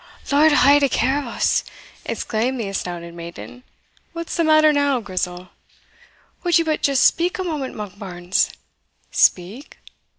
"Lord haud a care o' us!" exclaimed the astounded maiden. "What's the matter now, Grizel?" "Wad ye but just speak a moment, Monkbarns?" "Speak!